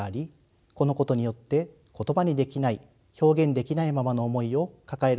このことによって言葉にできない表現できないままの思いを抱える人がいます。